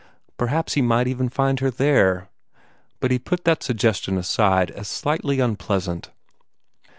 Perhaps he might even find her there; but he put that suggestion aside as slightly unpleasant.